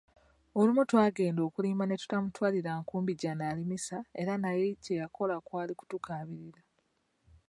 Olumu twagenda okulima ne tutamutwalira nkumbi gyanaalimisa eranaye kye yakola kwali kutukaabirira.